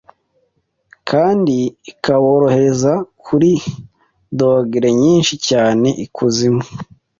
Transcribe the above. Kandi ikabohereza kuri dogere nyinshi cyane ikuzimu